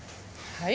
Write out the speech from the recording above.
はい。